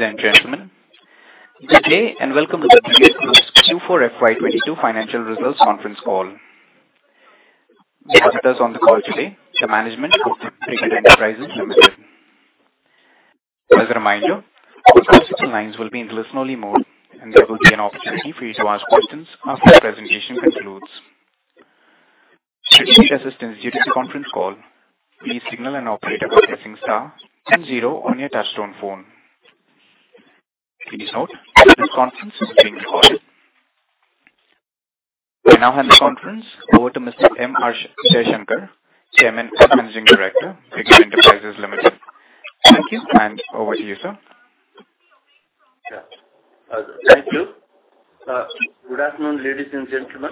Ladies and gentlemen, good day, and welcome to the Brigade Group's Q4 FY 2022 Financial Results Conference Call. We have with us on the call today the management of Brigade Enterprises Limited. As a reminder, all participant lines will be in listen-only mode, and there will be an opportunity for you to ask questions after the presentation concludes. Should you need assistance during this conference call, please signal an operator by pressing star then zero on your touchtone phone. Please note that this conference is being recorded. I now hand the conference over to Mr. M.R. Jaishankar, Chairman and Managing Director, Brigade Enterprises Limited. Thank you, and over to you, sir. Thank you. Good afternoon, ladies and gentlemen.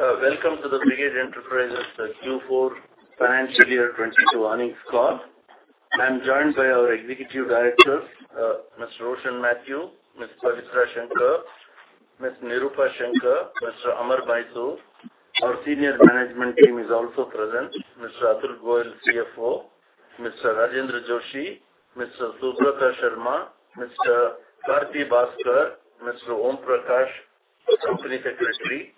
Welcome to the Brigade Enterprises Q4 Financial Year 2022 Earnings Call. I'm joined by our executive directors, Mr. Roshin Mathew, Ms. Pavitra Shankar, Ms. Nirupa Shankar, Mr. Amar Mysore. Our senior management team is also present, Mr. Atul Goyal, CFO, Mr. Rajendra Joshi, Mr. Subrata Sharma, Mr. Karthi Baskar, Mr. Om Prakash, Company Secretary,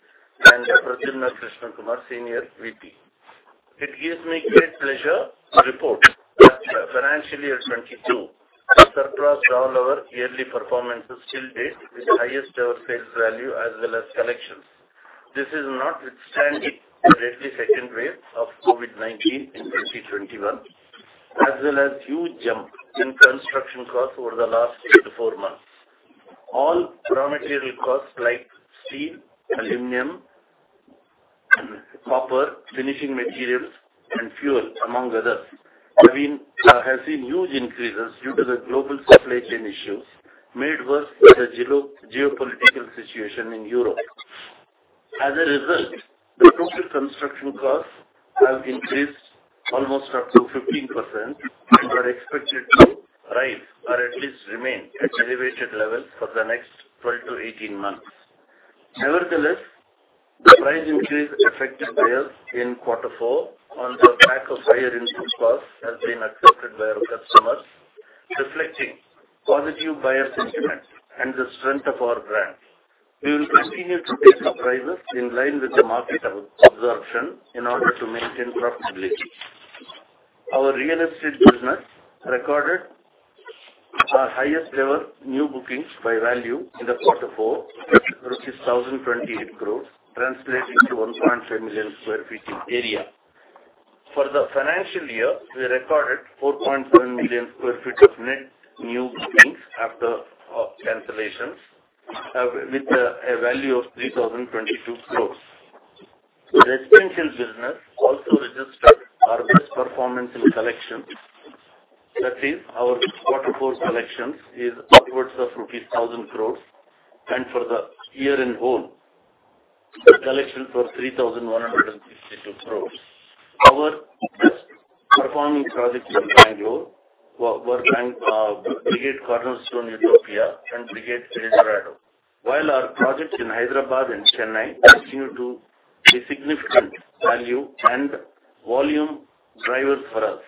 and Pradyumna Krishnakumar, Senior VP. It gives me great pleasure to report that financial year 2022 surpassed all our yearly performances till date with highest ever sales value as well as collections. This is notwithstanding the deadly second wave of COVID-19 in 2021 as well as huge jump in construction costs over the last three to four months. All raw material costs like steel, aluminum, copper, finishing materials, and fuel, among others, have seen huge increases due to the global supply chain issues made worse with the geopolitical situation in Europe. As a result, the total construction costs have increased almost up to 15% and are expected to rise or at least remain at elevated levels for the next 12-18 months. Nevertheless, the price increase effective here in quarter four on the back of higher input costs has been accepted by our customers, reflecting positive buyer sentiment and the strength of our brand. We will continue to supply in line with the market absorption in order to maintain profitability. Our real estate business recorded our highest ever new bookings by value in the quarter four, rupees 1,028 crores translating to 1 million sq ft in area. For the financial year, we recorded 4.7 million sq ft of net new bookings after cancellations with a value of 3,022 crores. The residential business also registered our best performance in collections. That is our quarter four collections is upwards of rupees 1,000 crores, and for the year in whole, the collection was 3,162 crores. Our best performing projects in Bangalore were Brigade Cornerstone Utopia and Brigade El Dorado, while our projects in Hyderabad and Chennai continue to be significant value and volume drivers for us.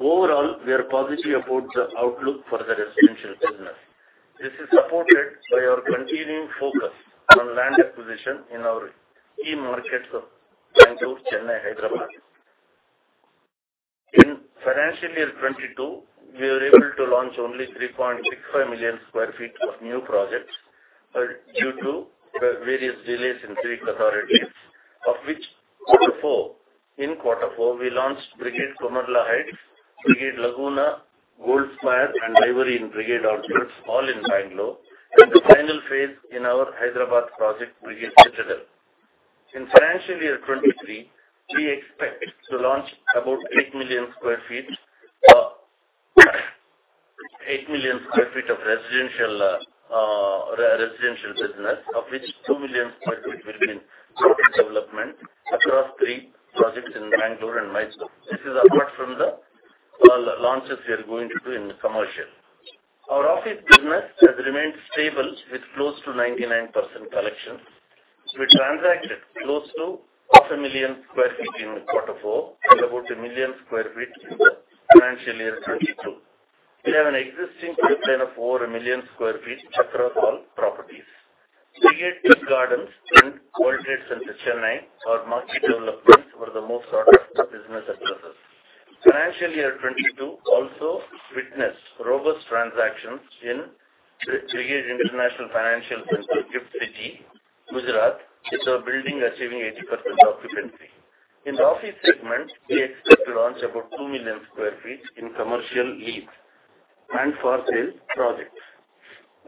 Overall, we are positive about the outlook for the residential business. This is supported by our continuing focus on land acquisition in our key markets of Bangalore, Chennai, Hyderabad. In financial year 2022, we were able to launch only 3.65 million sq ft of new projects due to the various delays in three authorities. In quarter four, we launched Komarla Heights, Brigade Laguna, Goldspire, and Ivory in Brigade Orchards, all in Bangalore, and the final phase in our Hyderabad project, Brigade Citadel. In financial year 2023, we expect to launch about 8 million sq ft, 8 million sq ft of residential business, of which 2 million sq ft will be in-progress development across three projects in Bangalore and Mysore. This is apart from the launches we are going to do in commercial. Our office business has remained stable with close to 99% collections. We transacted close to 500,000 sq ft in quarter four and about 1 million sq ft in the financial year 2022. We have an existing pipeline of over 1 million sq ft across all properties. Brigade The Gardens in World Trade Center, Chennai, our marketed developments were the most sought after business addresses. Financial year 2022 also witnessed robust transactions in Brigade International Financial Center, GIFT City, Gujarat, with our building achieving 80% occupancy. In the office segment, we expect to launch about 2 million sq ft in commercial lease and for-sale projects.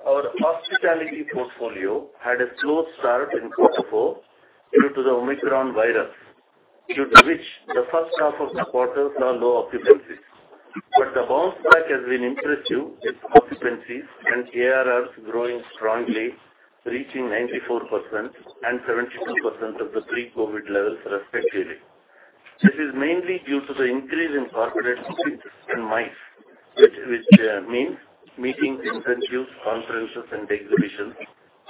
Our hospitality portfolio had a slow start in quarter four due to the Omicron virus, due to which the first half of the quarter saw low occupancies. The bounce back has been impressive with occupancies and ARR growing strongly, reaching 94% and 72% of the pre-COVID levels respectively. This is mainly due to the increase in corporate offices and MICE, which means Meetings, Incentives, Conferences, and Exhibitions,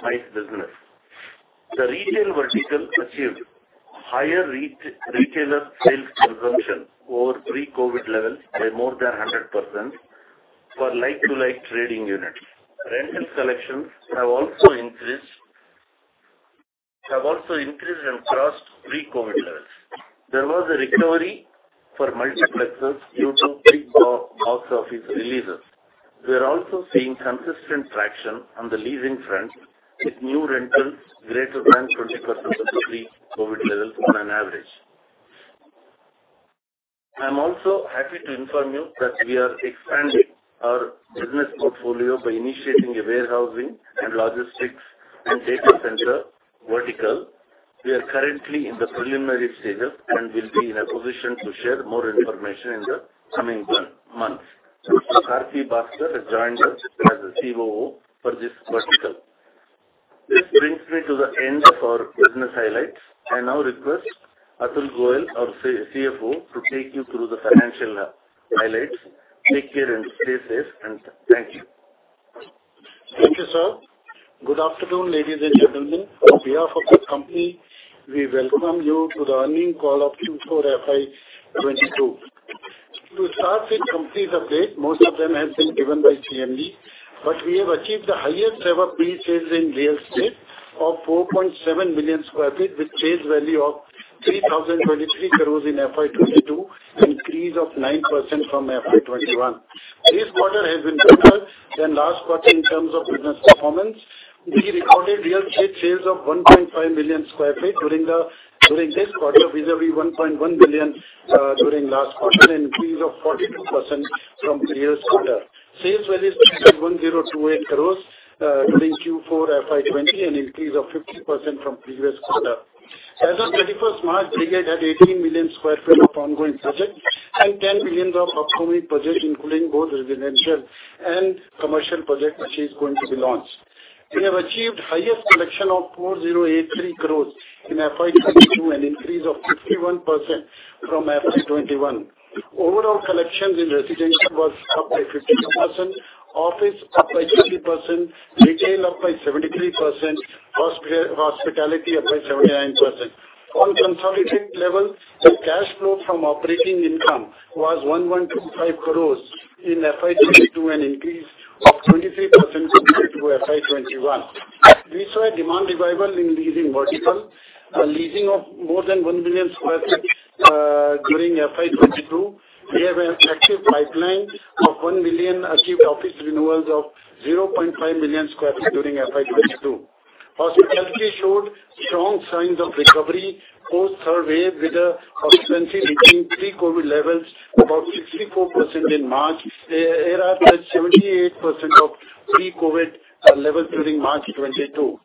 MICE business. The retail vertical achieved higher retailer sales consumption over pre-COVID levels by more than 100% for like-for-like trading units. Rental collections have also increased and crossed pre-COVID levels. There was a recovery for multiplexes due to big box office releases. We are also seeing consistent traction on the leasing front, with new rentals greater than 20% of pre-COVID levels on an average. I'm also happy to inform you that we are expanding our business portfolio by initiating a warehousing and logistics and data center vertical. We are currently in the preliminary stages and will be in a position to share more information in the coming months. Ravi Ahuja has joined us as the COO for this vertical. This brings me to the end of our business highlights. I now request Atul Goyal, our CFO, to take you through the financial highlights. Take care and stay safe, and thank you. Thank you, sir. Good afternoon, ladies and gentlemen. On behalf of the company, we welcome you to the earnings call of Q4 FY 2022. To start with company's update, most of them have been given by CMD, but we have achieved the highest ever pre-sales in real estate of 4.7 million sq ft, with sales value of 3,023 crore in FY 2022, increase of 9% from FY 2021. This quarter has been better than last quarter in terms of business performance. We recorded real estate sales of 1.5 million sq ft during this quarter, vis-à-vis 1.1 million during last quarter, increase of 42% from previous quarter. Sales value stood at 1,028 crore during Q4 FY 2022, an increase of 50% from previous quarter. As of 31st March, Brigade had 18 million sq ft of ongoing projects and 10 billion of upcoming projects, including both residential and commercial projects, which is going to be launched. We have achieved highest collection of 4,083 crore in FY 2022, an increase of 51% from FY 2021. Overall collections in residential was up by 51%, office up by 50%, retail up by 73%, hospitality up by 79%. On consolidated levels, the cash flow from operating income was 1,125 crore in FY 2022, an increase of 23% compared to FY 2021. We saw a demand revival in leasing vertical, leasing of more than 1 million sq ft during FY 2022. We have an active pipeline of 1 million sq ft, achieved office renewals of 500,000 sq ft during FY 2022. Hospitality showed strong signs of recovery post-COVID, with the occupancy reaching pre-COVID levels, about 64% in March. ARR at 78% of pre-COVID levels during March 2022.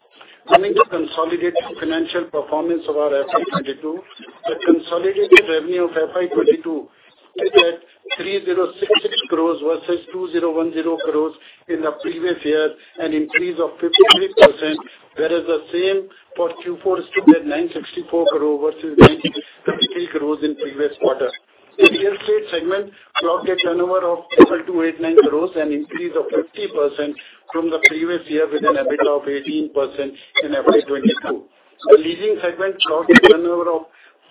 Coming to consolidated financial performance of our FY 2022, the consolidated revenue of FY 2022 stood at 3,066 crores versus 2,010 crores in the previous year, an increase of 53%, whereas the same for Q4 stood at 964 crore versus 963 crores in previous quarter. In real estate segment, clocked a turnover of 7,289 crores, an increase of 50% from the previous year, with an EBITDA of 18% in FY 2022. The leasing segment clocked a turnover of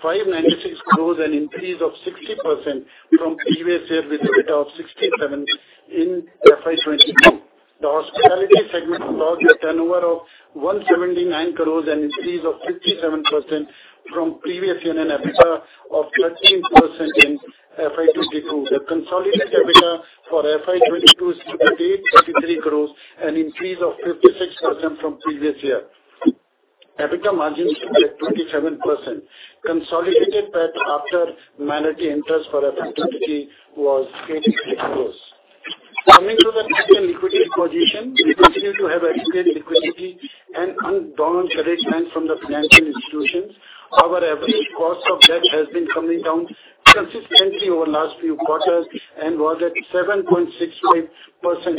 596 crores, an increase of 60% from previous year with EBITDA of 67% in FY 2022. The hospitality segment clocked a turnover of 179 crores, an increase of 57% from previous year and an EBITDA of 13% in FY 2022. The consolidated EBITDA for FY 2022 stood at 863 crores, an increase of 56% from previous year. EBITDA margins stood at 27%. Consolidated PAT after minority interest for FY 2022 was INR 86 crores. Coming to the cash and liquidity position, we continue to have adequate liquidity and undrawn credit lines from the financial institutions. Our average cost of debt has been coming down consistently over last few quarters and was at 7.68%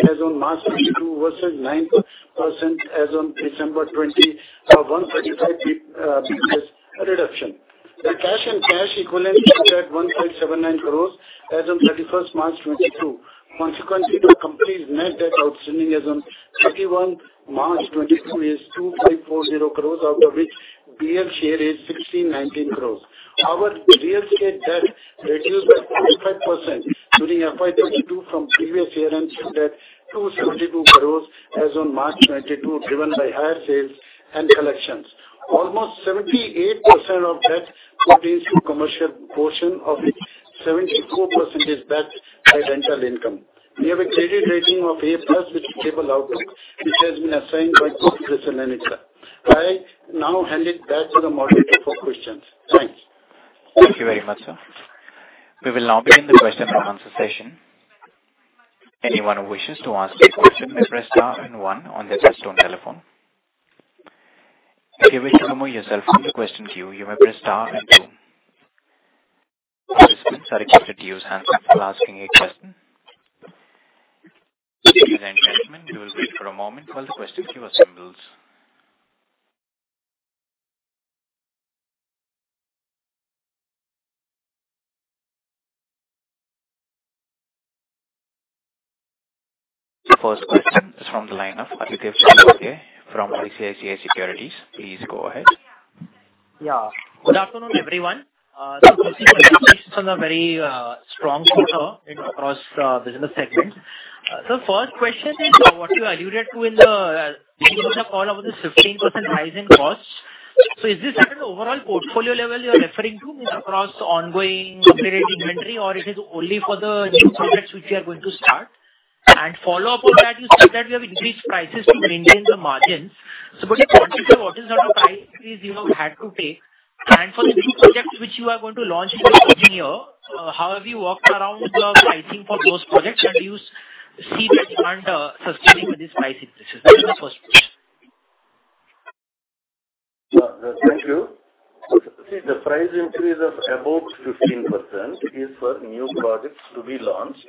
as on March 2022 versus 9% as on December 2020, 135 basis point reduction. The cash and cash equivalents stood at 1.79 crores as on 31st March 2022. Consequently, the company's net debt outstanding as on 31 March 2022 is 2.40 crores, out of which BEL share is 1,619 crores. Our real estate debt reduced by 45% during FY 2022 from previous year and stood at 272 crores as on March 2022, driven by higher sales and collections. Almost 78% of debt pertains to commercial portion, of which 74% is backed by rental income. We have a credit rating of A+ with stable outlook, which has been assigned by ICRA. I now hand it back to the moderator for questions. Thanks. Thank you very much, sir. We will now begin the question and answer session. Anyone who wishes to ask a question may press star and one on their touchtone telephone. If you wish to remove yourself from the question queue, you may press star and two. Participants are requested to use hands-free while asking a question. Ladies and gentlemen, we will wait for a moment while the question queue assembles. The first question is from the line of Dilip Pandey from ICICI Securities. Please go ahead. Yeah. Good afternoon, everyone. Sir, we've seen the presentations on a very strong quarter across the business segment. First question is what you alluded to in the beginning of the call about the 15% rise in costs. Is this at an overall portfolio level you're referring to across ongoing operating inventory, or it is only for the new projects which you are going to start? Follow up on that, you said that you have increased prices to maintain the margins. In quantitative, what is the price increase you have had to take? For the new projects which you are going to launch in the coming year, how have you worked around the pricing for those projects, and do you see the demand sustaining with these price increases? That is my first question. Thank you. See, the price increase of above 15% is for new projects to be launched.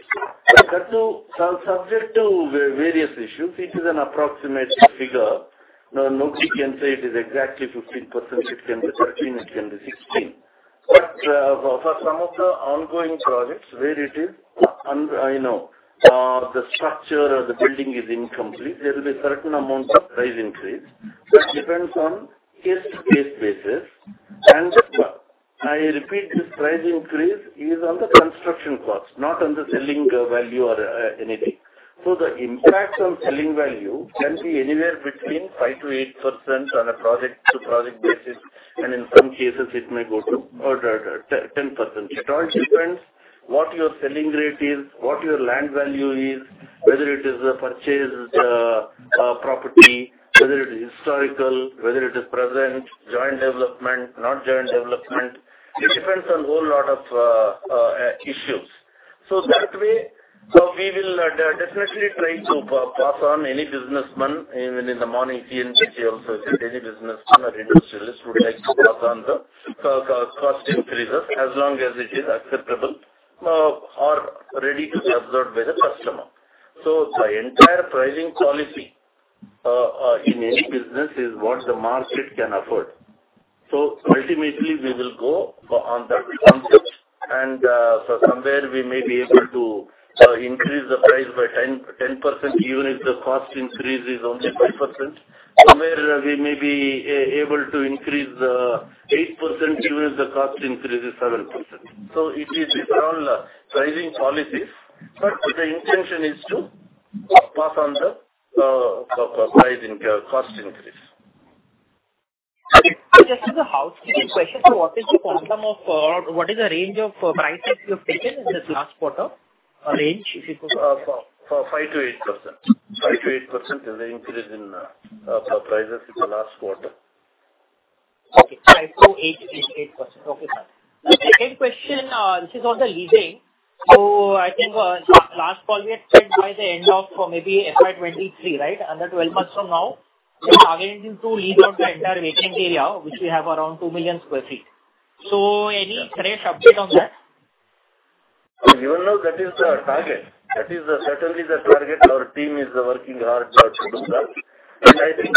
Subject to various issues, it is an approximate figure. Nobody can say it is exactly 15%. It can be 13%, it can be 16%. For some of the ongoing projects where the structure or the building is incomplete, there will be a certain amount of price increase. It depends on case-to-case basis. I repeat this price increase is on the construction cost, not on the selling value or anything. The impact on selling value can be anywhere between 5%-8% on a project-to-project basis, and in some cases it may go to 10%. It all depends what your selling rate is, what your land value is, whether it is a purchased property, whether it is historical, whether it is present joint development, not joint development. It depends on whole lot of issues. That way, we will definitely try to pass on, as any businessman, even in the morning CNBC also said any businessman or industrialist would like to pass on the cost increases as long as it is acceptable or ready to be absorbed by the customer. The entire pricing policy in any business is what the market can afford. Ultimately we will go on that concept and somewhere we may be able to increase the price by 10%, even if the cost increase is only 5%. Somewhere we may be able to increase 8%, even if the cost increase is 7%. It is around the pricing policies, but the intention is to pass on the cost increase. Just as a housekeeping question, what is the range of prices you've taken in this last quarter? A range if you could. 5%-8%. 5%-8% is the increase in prices in the last quarter. Okay. 5%-8%. Okay, sir. The second question, this is on the leasing. I think, last call we had said by the end of maybe FY 2023, right? Another 12 months from now, you are aiming to lease out the entire vacant area, which we have around 2 million sq ft. Any fresh update on that? Even now that is the target. That is certainly the target. Our team is working hard to do that. I think,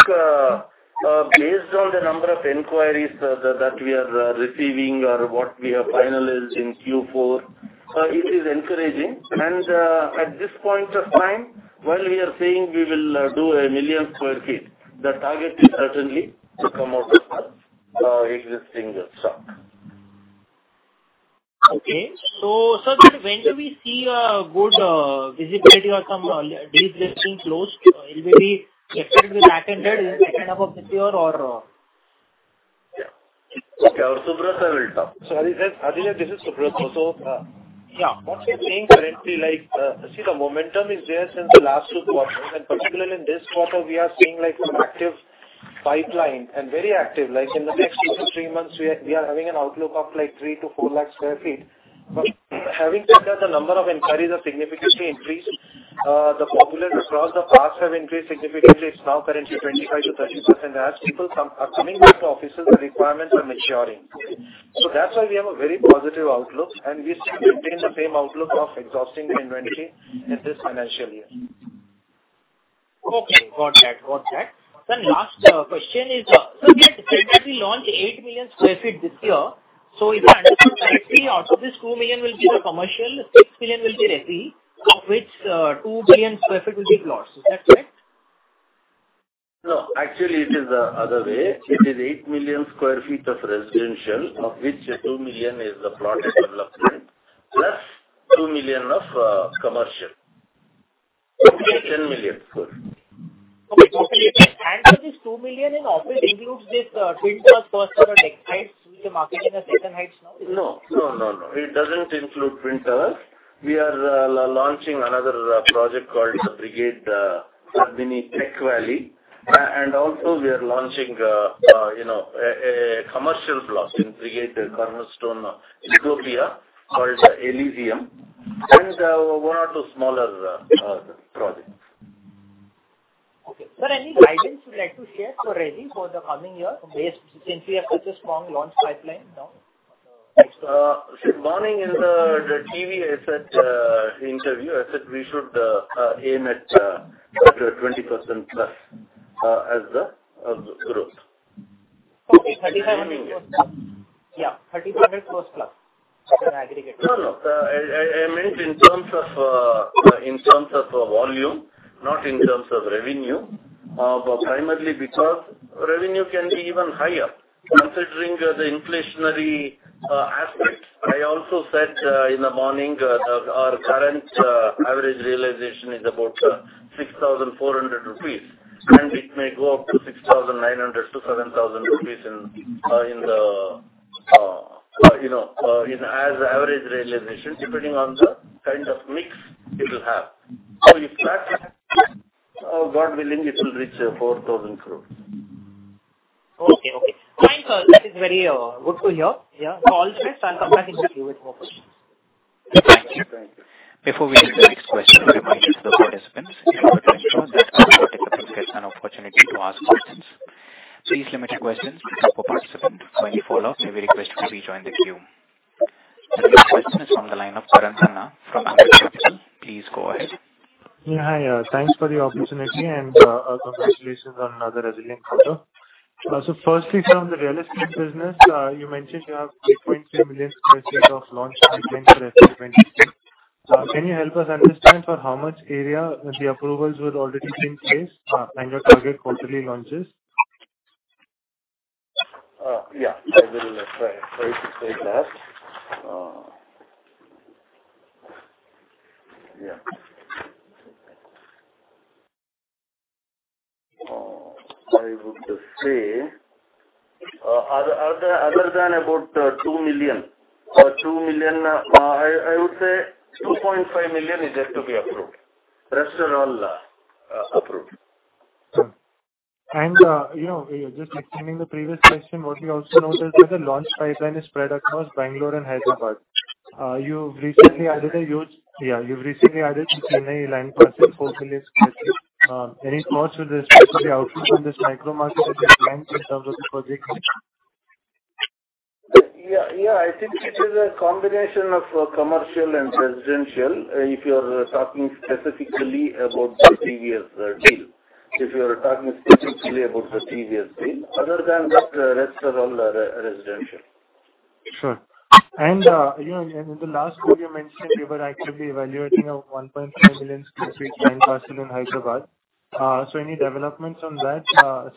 based on the number of inquiries that we are receiving or what we have finalized in Q4, it is encouraging. At this point of time, while we are saying we will do 1 million sq ft, the target is certainly to come out of existing stock. Okay. Sir, when do we see good visibility or some leasing closure? It may be second half with launches in it, is it that kind of a pace or? Yeah. Okay. Our Subrata will talk. Dilib, this is Subrata. Yeah, what we are seeing currently like, the momentum is there since the last two quarters, and particularly in this quarter we are seeing like some active pipeline and very active, like in the next two to three months we are having an outlook of like three to four lakh square feet. Having said that, the number of inquiries have significantly increased. The occupancy across the parks has increased significantly. It's now currently 25%-30%. As people are coming back to offices, the requirements are maturing. That's why we have a very positive outlook. We still maintain the same outlook of exhausting inventory in this financial year. Okay. Got that. Last question is, so we had said that we launched 8 million sq ft this year. If I understand correctly, out of this 2 million will be the commercial, 6 million will be RE, of which 2 million sq ft will be plots. Is that correct? No, actually it is the other way. It is 8 million sq ft of residential, of which 2 million sq ft is the plotted development, plus 2 sq ft million of commercial. Okay. 10 million sq ft. This 2 million sq ft in office includes this Twin Towers, Percera Tech Heights, which we are marketing as Deccan Heights now. No, no. It doesn't include Brigade Twin Towers. We are launching another project called Brigade Padmini Tech Valley. We are launching, you know, a commercial block in Brigade Cornerstone Utopia called Elysium, and one or two smaller projects. Okay. Sir, any guidance you'd like to share for pre-sales for the coming year based, since we have such a strong launch pipeline now? This morning in the CNBC-TV18 interview, I said we should aim at 20%+ as the growth. Okay. This coming year. 33% post close as an aggregate. No, no. I meant in terms of volume, not in terms of revenue. Primarily because revenue can be even higher considering the inflationary aspect. I also said in the morning that our current average realization is about 6,400 rupees, and it may go up to 6,900-7,000 rupees in the average realization depending on the kind of mix it will have. If that God willing, it will reach 4,000 crores. Okay. Fine. That is very good to hear. Yeah. All set. I'll come back into queue with more questions. Thank you. Before we take the next question, a reminder to the participants. In order to ensure that all participants get an opportunity to ask questions, please limit your questions to one per participant. When you follow up, may we request to rejoin the queue. The next question is from the line of Karan Khanna from Ambit Capital. Please go ahead. Yeah. Hi. Thanks for the opportunity and, congratulations on another resilient quarter. First, from the real estate business, you mentioned you have 3.3 million sq ft of launch pipeline for FY 2023. Can you help us understand for how much area the approvals were already in place, and your target quarterly launches? Yeah. I will try to take that. Yeah. I would say other than about 2 million sq ft. I would say 2.5 million sq ft is yet to be approved. Rest are all approved. You know, just extending the previous question, what we also noticed is the launch pipeline is spread across Bangalore and Hyderabad. You've recently added the Chennai land parcel, 4 million sq ft. Any thoughts with respect to the outlook on this micro market and the plans in terms of the project mix? I think it is a combination of commercial and residential, if you are talking specifically about the previous deal. Other than that, rest are all residential. Sure. You know, in the last call you mentioned you were actively evaluating a 1.5 million sq ft land parcel in Hyderabad. Any developments on that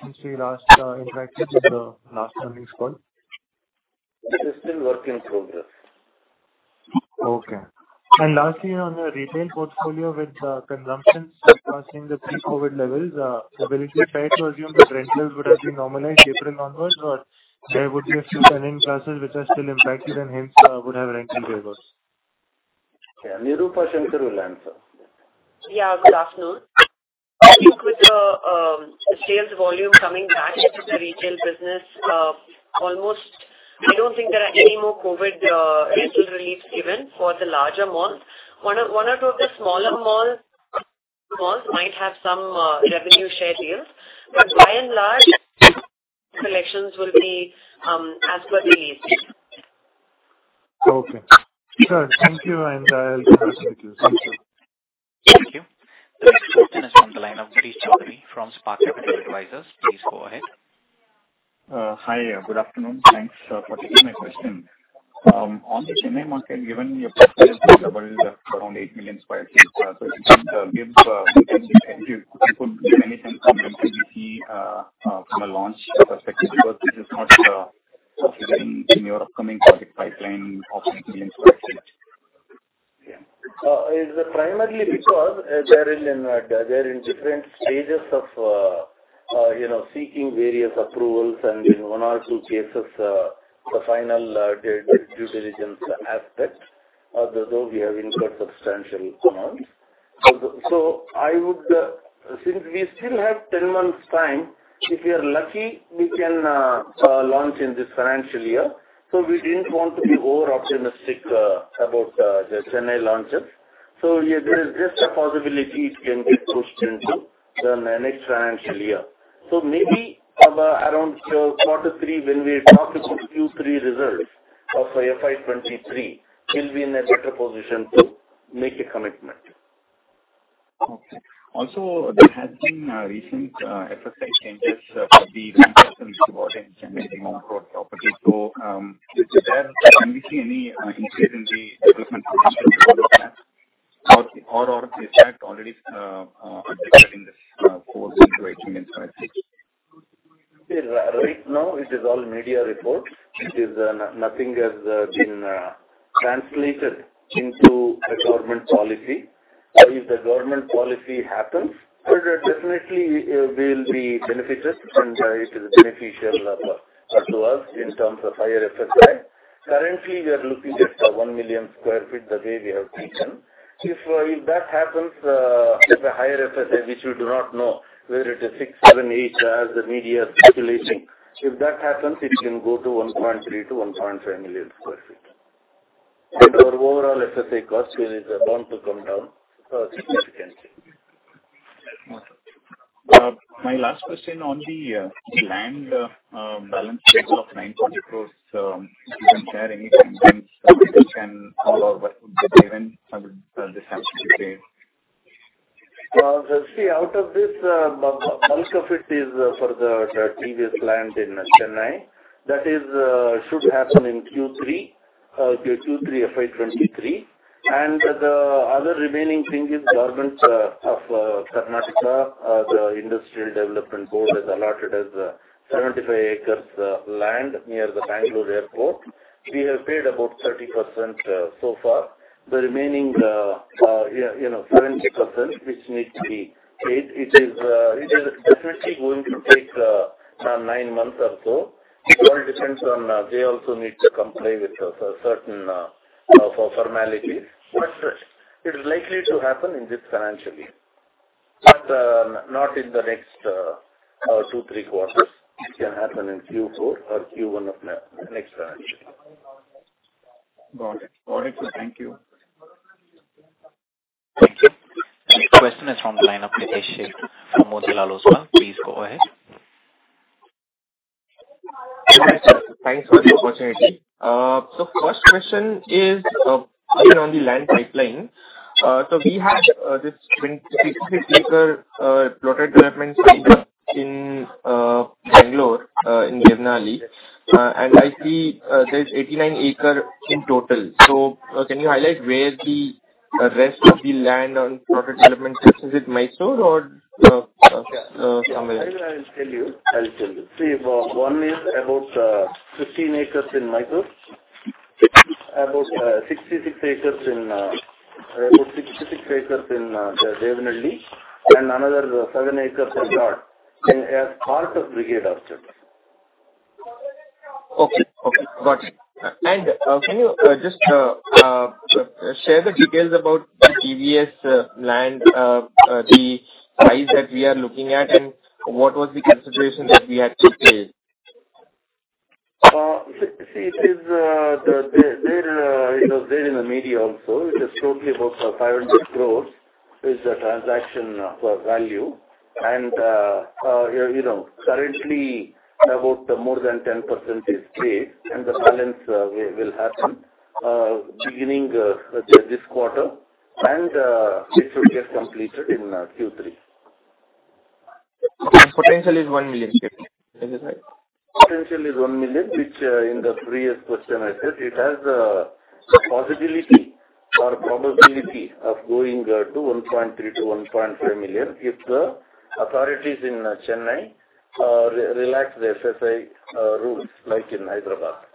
since we last interacted with the last earnings call? It is still work in progress. Okay. Lastly, on the retail portfolio with consumptions surpassing the pre-COVID levels, will you try to assume that rentals would have been normalized April onwards, or there would be a few tenant classes which are still impacted and hence would have rental waivers? Yeah. Nirupa Shankar will answer. Yeah. Good afternoon. I think with the sales volume coming back into the retail business almost, I don't think there are any more COVID rental relief given for the larger malls. One or two of the smaller malls might have some revenue share deals. By and large, collections will be as per the lease. Okay. Sure. Thank you, and I'll pass it to the queue. Thank you. The next question is from the line of Girish Choudhary from Spark Capital Advisors. Please go ahead. Hi. Good afternoon. Thanks for taking my question. On the Chennai market, given your preference for development around 8 million sq ft, if you could give anything from an [NBP] from a launch perspective, because this is not featured in your upcoming project pipeline of 8 million sq ft. Yeah. It's primarily because they're in different stages of you know, seeking various approvals and in one or two cases, the final due diligence aspect. Though we have incurred substantial amounts. I would. Since we still have 10 months' time, if we are lucky, we can launch in this financial year. We didn't want to be over-optimistic about the Chennai launches. Yeah, there is just a possibility it can get pushed into the next financial year. Maybe around quarter three when we talk about Q3 results of FY 2023, we'll be in a better position to make a commitment. Okay. Also, there has been recent FSI changes for the land parcels towards generating on-plot property. With that, are we seeing any increase in the development potential for that? Or is that already reflected in this four to eight million sq ft? Yeah. Right now it is all media reports. It is, nothing has been translated into a government policy. If the government policy happens, definitely we'll be benefited and it is beneficial to us in terms of higher FSI. Currently, we are looking at one million sq ft, the way we have taken. If that happens, with a higher FSI, which we do not know whether it is six, seven, eight, as the media is speculating. If that happens, it can go to 1.3-1.5 million sq ft. Our overall FSI cost is bound to come down significantly. Okay. My last question on the land balance sheet of 9 crores, if you can share any timelines that we can or what would be the event and this has to be paid? See, out of this, bulk of it is for the TVS land in Chennai. That should happen in Q3 FY 2023. The other remaining thing is Government of Karnataka, the KIADB has allotted us 75 acres land near the Bangalore airport. We have paid about 30% so far. The remaining, yeah, you know, 70% which needs to be paid, it is definitely going to take nine months or so. It all depends on, they also need to comply with certain formalities. It is likely to happen in this financial year. Not in the next two to three quarters. It can happen in Q4 or Q1 of next financial year. Got it. Thank you. Thank you. The next question is from the line of Pritesh Sheth from Motilal Oswal. Please go ahead. Hi, sir. Thanks for the opportunity. First question is, even on the land pipeline. We have this 26-acre plotted development site in Bangalore, in Devanahalli. I see there's 89 acres in total. Can you highlight where the rest of the land on plotted development sites is? Is it Mysore or somewhere else? I'll tell you. See, one is about 15 acres in Mysore, about 66 acres in Devanahalli, and another seven acres or so in part of Brigade Orchards. Okay. Okay, got it. Can you just share the details about the TVS land, the price that we are looking at, and what was the consideration that we had to pay? See, it was there in the media also. It is totally about 500 crores is the transaction value. You know, currently about more than 10% is paid and the balance will happen beginning this quarter and it should get completed in Q3. Potential is one million, is this right? Potential is one million, which, in the previous question I said it has a possibility or probability of going to 1.3-1.5 million if the authorities in Chennai relax the FSI rules like in Hyderabad.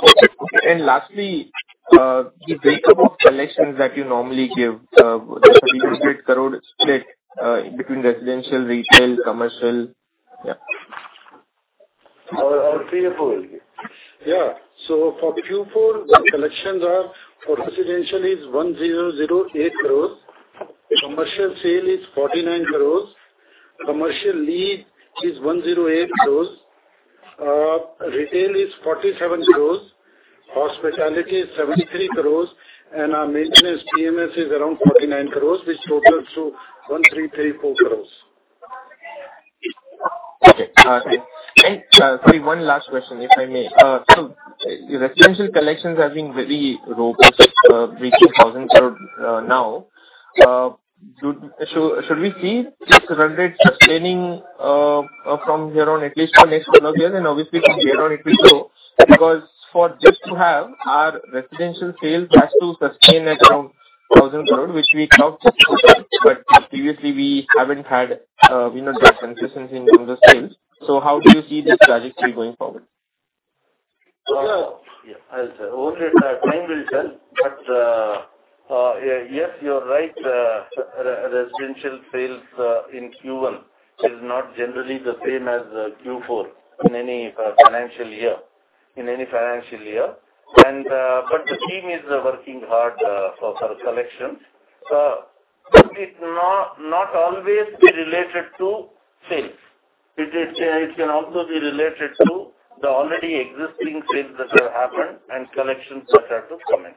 Okay. Lastly, the breakup of collections that you normally give, the INR 1,300 crore split, between residential, retail, commercial. Yeah. Yeah. For Q4 the collections are for residential is 1,008 crores. Commercial sale is 49 crores. Commercial lease is 108 crores. Retail is 47 crores. Hospitality is 73 crores. Our maintenance FMS is around 49 crores, which totals to 1,334 crores. Okay. Great. Sorry, one last question, if I may. Residential collections are being very robust, reaching 1,000 crore now. Should we see this run rate sustaining from here on at least for the next one or two years, and obviously from here on it will slow? Because just to have our residential sales sustain at around 1,000 crore, which we talked about but previously we haven't had, you know, that consistency in the sales. How do you see this trajectory going forward? Yeah. I'll say only the time will tell. Yes, you're right. Residential sales in Q1 is not generally the same as Q4 in any financial year. The team is working hard for the collections. It is not always be related to sales. It is, it can also be related to the already existing sales that have happened and collections which are to come in.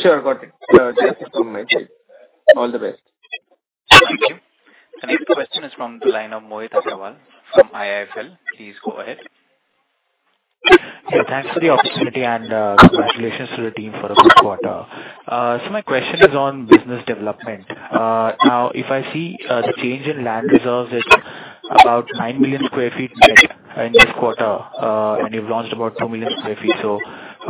Sure. Got it. Thanks for your comments. All the best. Thank you. The next question is from the line of Mohit Agrawal from IIFL. Please go ahead. Yeah, thanks for the opportunity and, congratulations to the team for a good quarter. My question is on business development. Now if I see, the change in land reserves, it's about nine million sq ft net in this quarter, and you've launched about two million sq ft.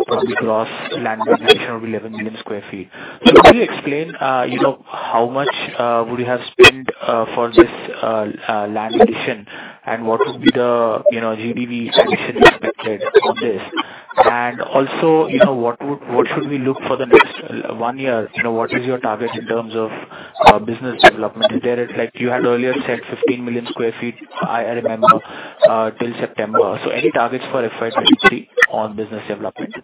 Probably gross land acquisition will be 11 million sq ft. Can you please explain, you know, how much would you have spent for this land addition and what would be the, you know, GDV addition expected on this? And also, you know, what should we look for the next one year? You know, what is your target in terms of business development? Is there it like you had earlier said 15 million sq ft, I remember till September. Any targets for FY 2023 on business development?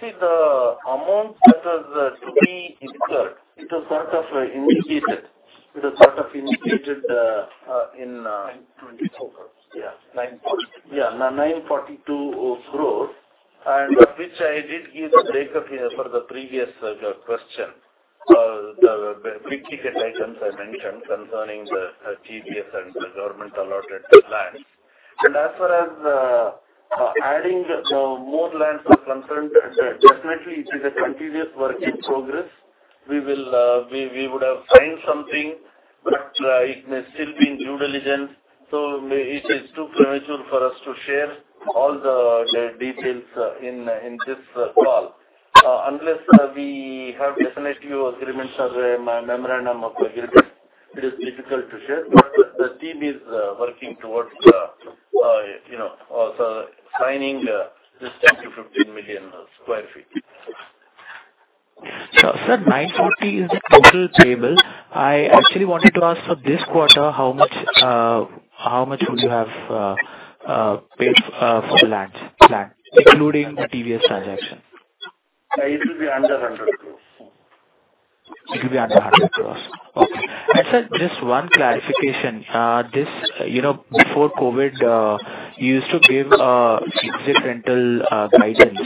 See the amounts that was to be incurred, it was sort of indicated in. 942 crore and which I did give the breakup for the previous question. The big ticket items I mentioned concerning the GPS and the government-allotted land. As far as adding more land is concerned, definitely it is a continuous work in progress. We would have signed something, but it may still be in due diligence, so it is too premature for us to share all the details in this call. Unless we have definitive agreements or a memorandum of agreement, it is difficult to share. The team is working towards you know, signing this 10-15 million sq ft. Sir, 940 crore is the total payable. I actually wanted to ask for this quarter, how much would you have paid for the land, including the previous transaction? It will be under INR 100 crore. It will be under 100 crores. Okay. Sir, just one clarification. This, you know, before COVID, you used to give exit rental guidance,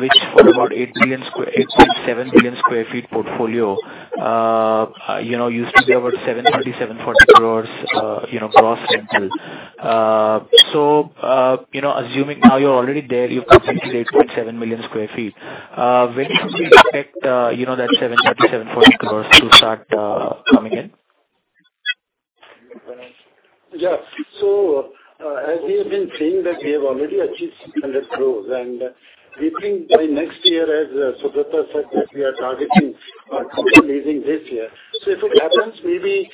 which for about 8.7 million sq ft portfolio, you know, used to be over 730 crores-740 crores, you know, gross rental. You know, assuming now you are already there, you have completed 8.7 million sq ft. When should we expect, you know, that 730 crores-740 crores to start coming in? As we have been saying, we have already achieved standard growth. We think by next year, as Sudarshan said, we are targeting complete leasing this year. If it happens, maybe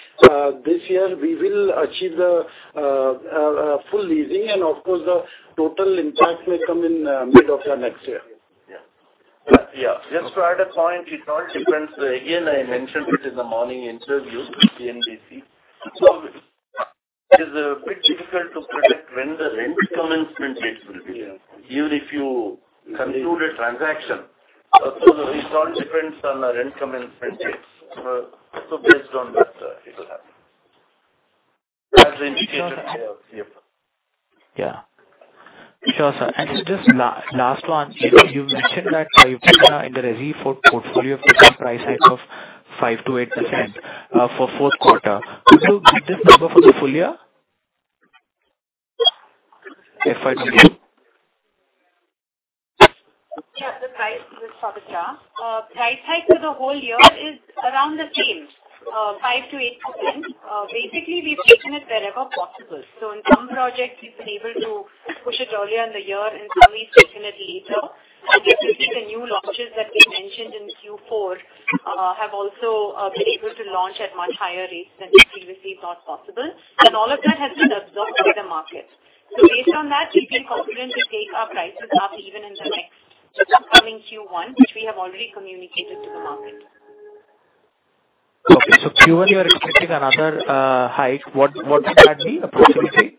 this year we will achieve the full leasing and of course the total impact may come in mid of the next year. Yeah. Yeah. Just to add a point, it all depends. Again, I mentioned it in the morning interview with CNBC. It is a bit difficult to predict when the rent commencement date will be. Even if you conclude a transaction. It all depends on the rent commencement dates. Based on that, it will happen. As I indicated. Yeah. Sure, sir. Just last one. You mentioned that you plan in the residential portfolio to take a price hike of 5%-8% for fourth quarter. Could you give this number for the full year? FY 2022. This is Pavitra. Price hike for the whole year is around the same 5%-8%. Basically, we've taken it wherever possible. In some projects we've been able to push it earlier in the year, and some we've taken it later. I think even the new launches that we mentioned in Q4 have also been able to launch at much higher rates than we previously thought possible. All of that has been absorbed by the market. Based on that, we feel confident to take our prices up even in the next upcoming Q1, which we have already communicated to the market. Okay. Q1 you're expecting another hike. What would that be approximately?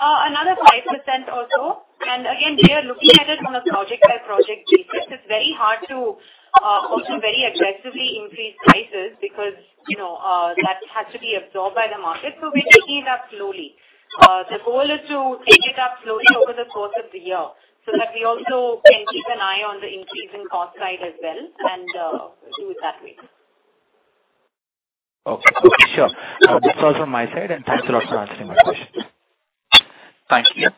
Another 5% also. Again, we are looking at it on a project-by-project basis. It's very hard to also very aggressively increase prices because, you know, that has to be absorbed by the market. We're taking it up slowly. The goal is to take it up slowly over the course of the year so that we also can keep an eye on the increasing cost side as well and do it that way. Okay. Okay, sure. This is all from my side, and thanks a lot for answering my questions. Thank you.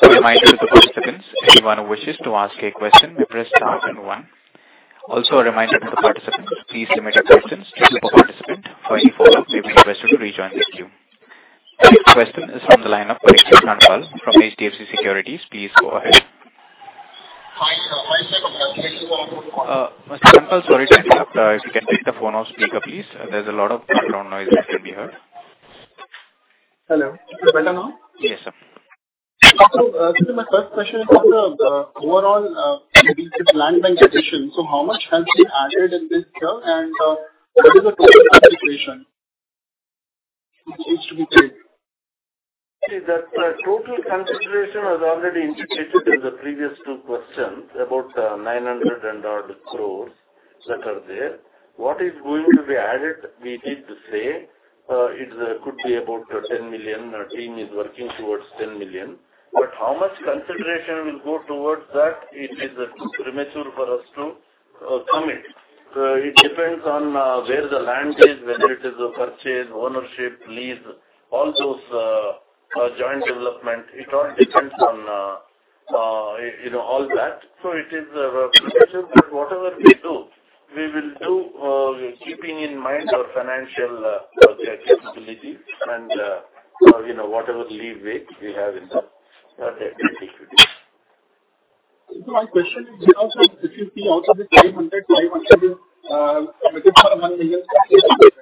A reminder to participants, anyone who wishes to ask a question, press star then one. Also a reminder to the participants, please limit your questions to two per participant. For any follow-up, you may request to rejoin the queue. The next question is from the line of Parikshit Kandpal from HDFC Securities. Please go ahead. Hi. Mr. Kunal, sorry to interrupt. If you can take the phone off speaker, please. There's a lot of background noise which can be heard. Hello. Is it better now? Yes, sir. This is my first question on the overall land bank acquisition. How much has been added in this year and what is the total consideration which needs to be paid? See that the total consideration was already indicated in the previous two questions, about 900 crores that are there. What is going to be added, we need to say, it could be about 10 million. Our team is working towards 10 million. How much consideration will go towards that, it is too premature for us to commit. It depends on where the land is, whether it is a purchase, ownership, lease, all those joint development. It all depends on you know, all that. It is premature. Whatever we do, we will do keeping in mind our financial capabilities and you know, whatever leeway we have in the activity. My question is here also if you see out of this 900, 500 is committed for 1 million sq ft.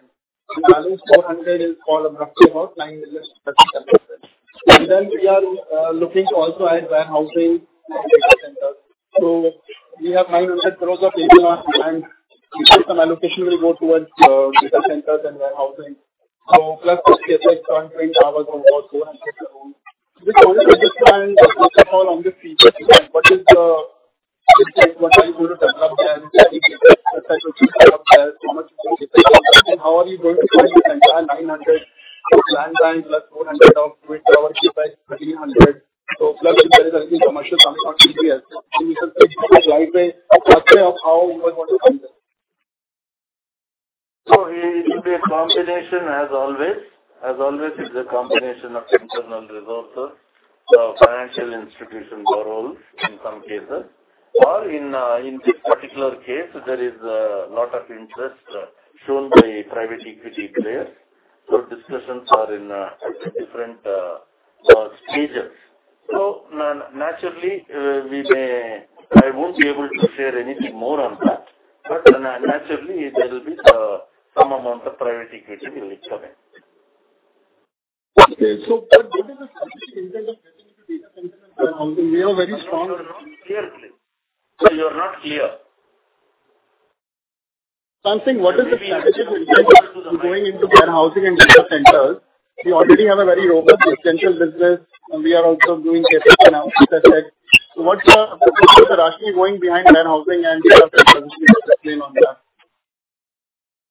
The balance 400 is for roughly about 9 million sq ft. Then we are looking to also add warehousing and data centers. We have 900 crores of ABM land. Some allocation will go towards data centers and warehousing. Plus CapEx current range average on about INR 400 crores. I just want to understand what are all the features you have. What is the in case what are you going to develop there what type of use are there? How much is going to data centers? How are you going to spend the entire INR 900 for land bank plus INR 400? Of this, sir, you're not clear. Sir, I'm saying what is the strategy behind going into warehousing and data centers? We already have a very robust essential business, and we are also doing so. What's the rationale behind going into warehousing and data centers? Can you explain on that.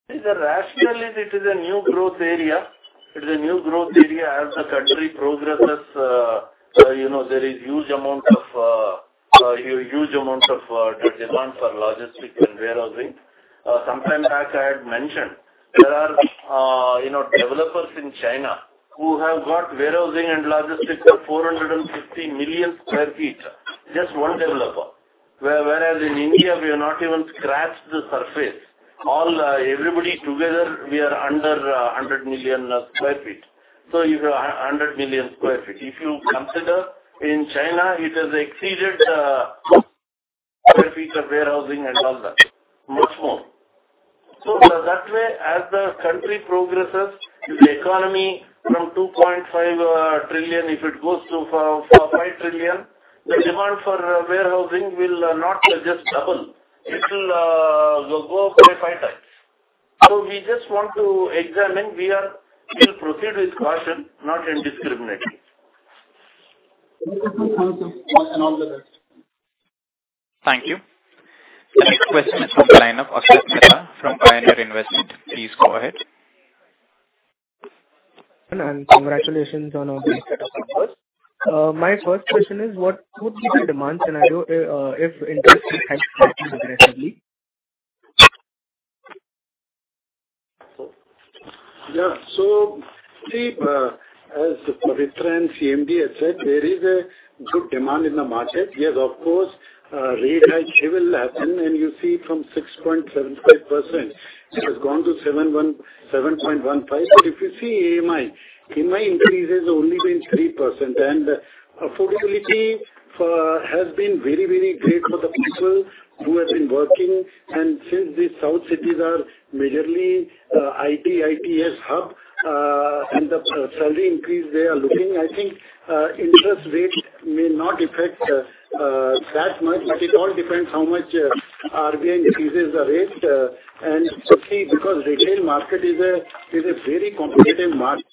The rationale is it is a new growth area. As the country progresses, there is huge amounts of demand for logistics and warehousing. Sometime back I had mentioned there are developers in China who have got warehousing and logistics of 450 million sq ft. Just one developer. Whereas in India, we have not even scratched the surface. All, everybody together, we are under 100 million sq ft. So you have a 100 million sq ft. If you consider in China, it has exceeded square feet of warehousing and all that, much more. So that way, as the country progresses, if the economy from $2.5 trillion, if it goes to $5 trillion, the demand for warehousing will not just double. It will go up by 5x. We just want to expand. We'll proceed with caution, not indiscriminately. Okay, sir. Thank you. All the best. Thank you. The next question is from the line of Akshay Sinha from Pioneer Investment. Please go ahead. Congratulations on all the set of numbers. My first question is, what would be the demand scenario, if interest rates had to increase aggressively? Yeah. See, as M.R. Jaishankar, CMD, has said, there is a good demand in the market. Yes, of course, rate hike, it will happen. You see from 6.75%, it has gone to 7.15%. But if you see EMI increase has only been 3%. Affordability has been very, very great for the people who have been working. Since the south cities are majorly IT ITES hub, and the salary increase they are looking, I think interest rates may not affect that much. But it all depends how much RBI increases the rate. See, because retail market is a very competitive market.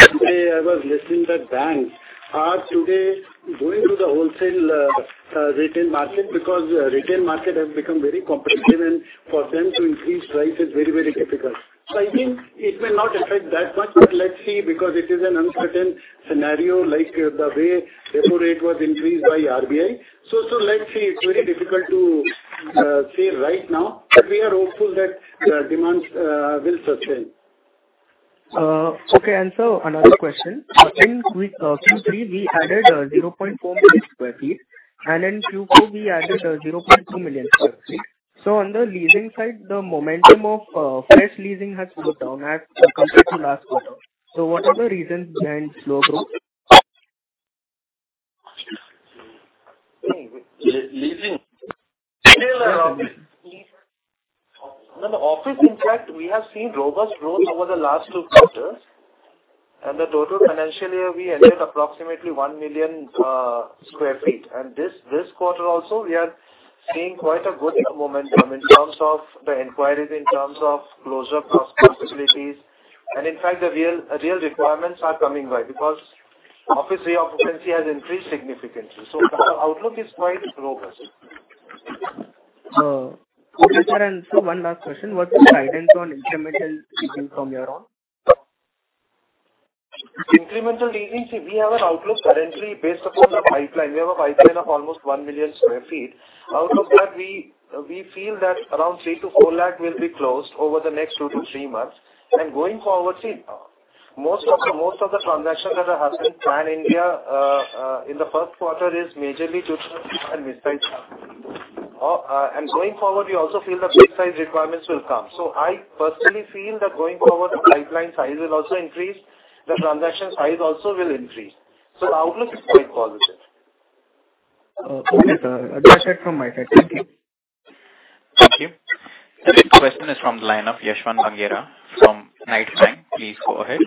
I was listening that banks are today going to the wholesale, retail market because retail market has become very competitive, and for them to increase price is very, very difficult. I think it may not affect that much, but let's see, because it is an uncertain scenario, like the way repo rate was increased by RBI. Let's see. It's very difficult to say right now, but we are hopeful that the demands will sustain. Okay. Sir, another question. In Q3, we added 400,000 sq ft, and in Q4 we added 200,000 sq ft. On the leasing side, the momentum of fresh leasing has slowed down as compared to last quarter. What are the reasons behind slow growth? Leasing? Office. No, no office, in fact, we have seen robust growth over the last two quarters. The total financial year, we added approximately one million sq ft. This quarter also, we are seeing quite a good momentum in terms of the inquiries, in terms of closure of possibilities. In fact, the real requirements are coming by, because office reoccupancy has increased significantly. The outlook is quite robust. Okay, sir. One last question. What's the guidance on incremental leasing from your end? Incremental leasing, see, we have an outlook currently based upon the pipeline. We have a pipeline of almost on million sq ft. Out of that, we feel that around three to four lakh will be closed over the next two to three months. Going forward, see, most of the transactions that are happening pan India in the first quarter is majorly due to. Going forward, we also feel the big size requirements will come. I personally feel that going forward, the pipeline size will also increase. The transaction size also will increase. The outlook is quite positive. Okay, that's it from my side. Thank you. Thank you. The next question is from the line of Yashwant Mangera from Nuvama. Please go ahead.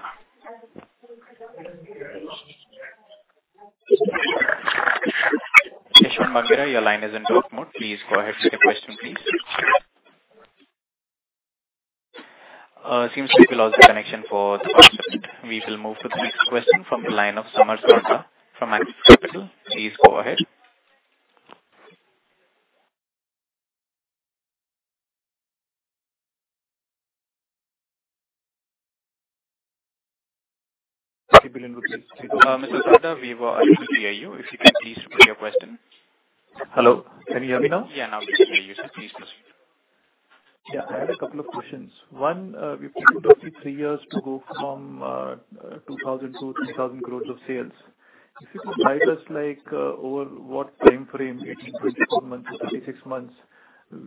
Yashwant Mangera, your line is in talk mode. Please go ahead with your question, please. It seems like we lost the connection for Yashwant. We will move to the next question from the line of Samar Sarda from Axis Capital. Please go ahead. Mr. Samar, we're unable to hear you. Hello. Can you hear me now? Yeah, now we can hear you, sir. Please proceed. Yeah. I had a couple of questions. One, we've taken three years to go from 2,000 crores to 3,000 crores of sales. If you could guide us, like, over what time frame, 18-24 months or 36 months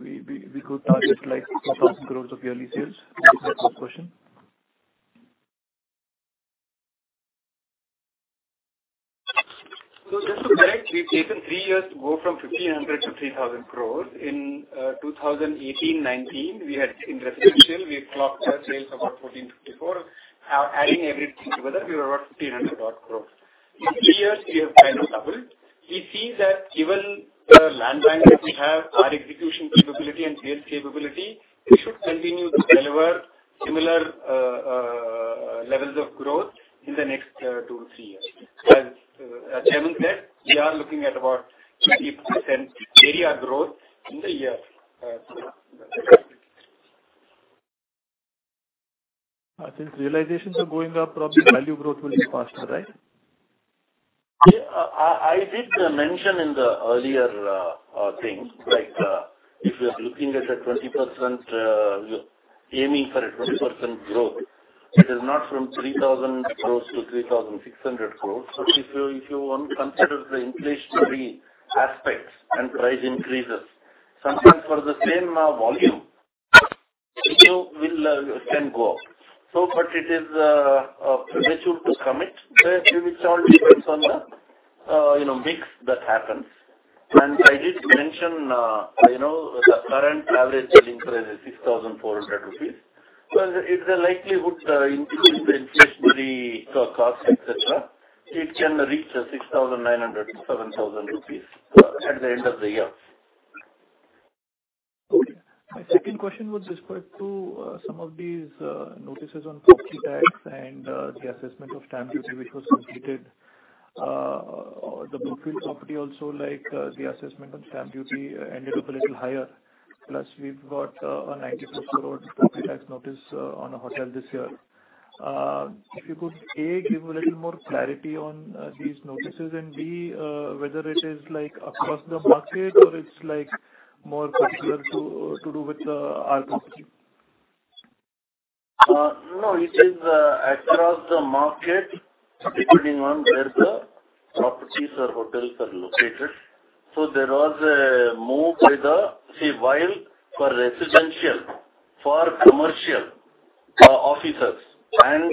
we could target like 4,000 crores of yearly sales. That's my first question. Just to guide, we've taken three years to go from 1,500 crores to 3,000 crores. In 2018/19, in residential, we had clocked our sales about 1,454. Adding everything together, we were about 1,500 crores. In three years we have kind of doubled. We see that given the land bank that we have, our execution capability and sales capability, we should continue to deliver similar levels of growth in the next two to three years. As our Chairman said, we are looking at about 20% area growth in the year. Since realizations are going up, probably value growth will be faster, right? Yeah. I did mention in the earlier thing, like, if you are looking at 20%, aiming for 20% growth, it is not from 3,000 crore to 3,600 crore. If you want, consider the inflationary aspects and price increases. Sometimes for the same volume, you can go up. It is premature to commit. It all depends on the you know, mix that happens. I did mention you know, the current average selling price is 6,400 rupees. If the likely increase the inflationary cost, et cetera, it can reach 6,900-7,000 rupees at the end of the year. Okay. My second question was with respect to, some of these, notices on property tax and, the assessment of stamp duty which was completed. The Brookefield property also, like, the assessment on stamp duty ended up a little higher. Plus we've got, a 96 crore property tax notice, on a hotel this year. If you could, A, give a little more clarity on, these notices and, B, whether it is, like, across the market or it's, like, more particular to do with, our property. No, it is across the market depending on where the properties or hotels are located. See, while for residential, for commercial, offices and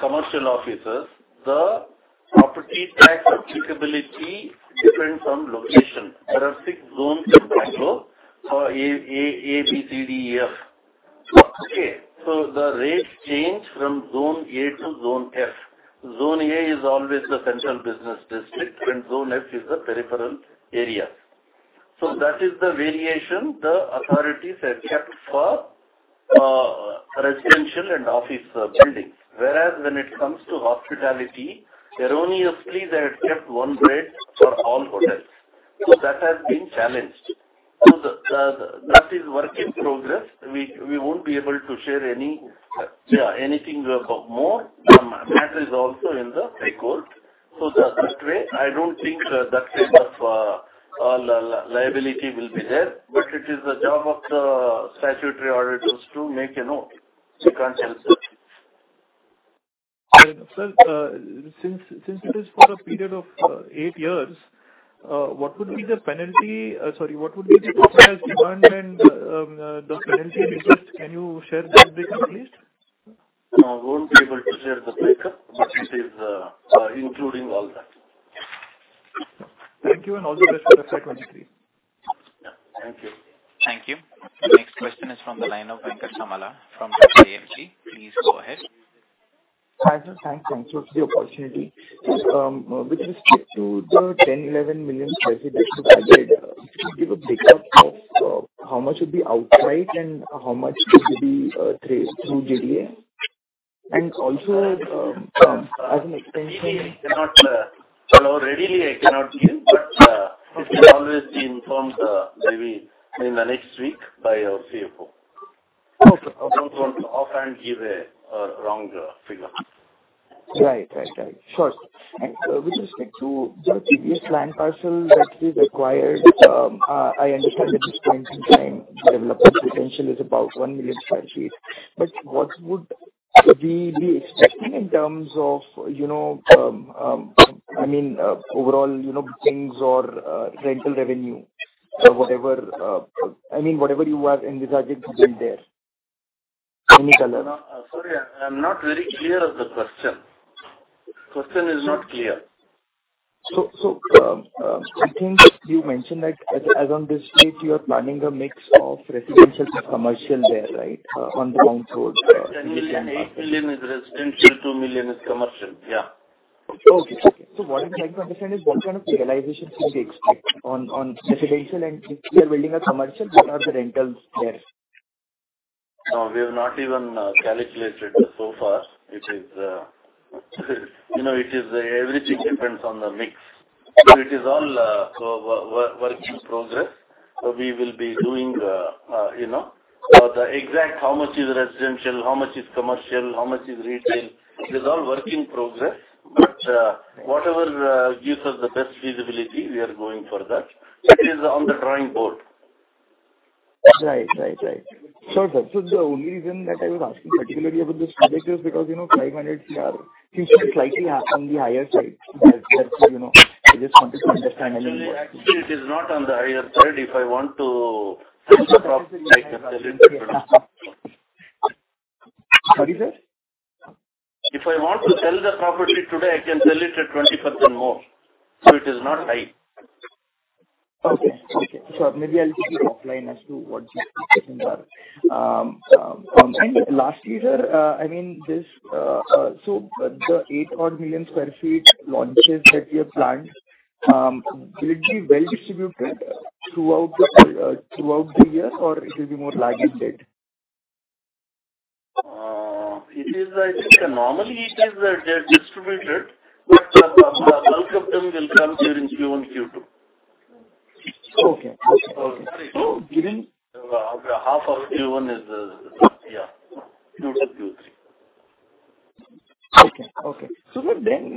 commercial offices, the property tax applicability depends on location. There are six zones in Bangalore, A, B, C, D, E, F. Okay. The rates change from zone A to zone F. Zone A is always the central business district and zone F is the peripheral area. That is the variation the authorities have kept for residential and office buildings. Whereas when it comes to hospitality, erroneously they had kept one rate for all hotels. That has been challenged. That is work in progress. We won't be able to share any, yeah, anything more. That is also in the High Court. That way I don't think that type of liability will be there. It is the job of the statutory auditors to make a note. We can't help that. Fair enough. Well, since it is for a period of eight years, what would be the capitalized demand and the penalty and interest? Sorry, can you share that breakup at least? No, I won't be able to share the breakup, but it is including all that. Thank you, and all the best for the financial year 2023. Yeah. Thank you. Thank you. Next question is from the line of Venkat Samala from Tata AMC. Please go ahead. Hi, sir. Thanks for the opportunity. With respect to the 10-11 million sq ft that you acquired, could you give a breakup of how much would be outright and how much would be acquired through JDA? Also, as an extension. We cannot so readily. I cannot give, but Okay. It will always be informed, maybe in the next week by our CFO. Okay. I don't want to offhand give a wrong figure. Right. Sure. With respect to the previous land parcel that you've acquired, I understand that at this point in time the development potential is about 1 million sq ft. But what would we be expecting in terms of, you know, I mean, overall, you know, bookings or, rental revenue or whatever, I mean, whatever you have envisaged to build there. Any color? No. Sorry, I'm not very clear of the question. Question is not clear. I think you mentioned that as on this date you are planning a mix of residential and commercial there, right? On the OMR Road where- Generally eight million is residential, two million is commercial. Yeah. What I would like to understand is what kind of realizations can we expect on residential, and if you are building a commercial, what are the rentals there? No, we have not even calculated so far. It is, you know, it is, everything depends on the mix. It is all work in progress. We will be doing, you know. The exact how much is residential, how much is commercial, how much is retail, it is all work in progress. Whatever gives us the best feasibility, we are going for that. It is on the drawing board. Right. That was the only reason that I was asking particularly about this project is because, you know, 500 crore seems to be slightly on the higher side. That's why, you know, I just wanted to understand a little more. Actually, it is not on the higher side. If I want to sell the property, I can sell it at 20% more. How do you say? If I want to sell the property today, I can sell it at 20% more. It is not high. Okay. Maybe I'll just get offline as to what the reasons are. Lastly, sir, I mean, so the eight-odd million sq ft launches that you have planned, will it be well distributed throughout the year, or it will be more back-loaded? It is, I think, normally distributed, but the bulk of them will come during Q1, Q2. Okay. Okay. Sorry. Half of Q1 is, yeah, Q2, Q3.